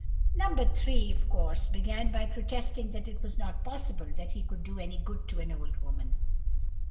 No. 3, of course, began by protesting that it was not possible that he could do any good to an old woman.